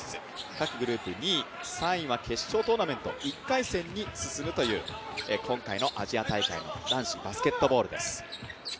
各グループ２位、３位は決勝トーナメント、１回戦に進むという今回のアジア大会の男子バスケットボールです。